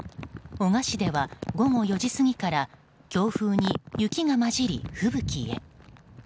男鹿市では午後４時過ぎから強風に雪が交じり、吹雪へ。